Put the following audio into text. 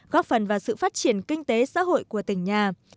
góp phần vào sự phát triển kinh tế xã hội của tỉnh nhà